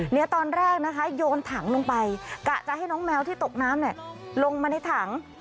เนี่ยตอนแรกนะคะโยนถังลงไปกะจะให้น้องแมวที่ตกน้ำลงมาในถัง